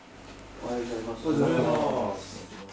おはようございます。